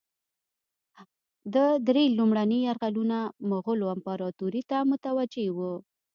ده درې لومړني یرغلونه مغولو امپراطوري ته متوجه وه.